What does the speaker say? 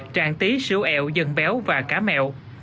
tràng tí siêu ẹo dần béo và cá mẹo